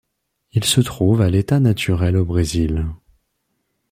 Il se trouve à l'état naturel au Brésil.